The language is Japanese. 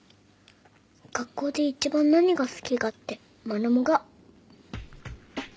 学校で一番何が好きかってマルモが。